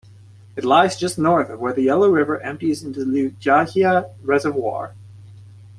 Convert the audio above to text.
It lies just north of where the Yellow River empties into the Liujiaxia Reservoir.